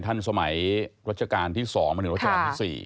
สมัยรัชกาลที่๒มาถึงรัชกาลที่๔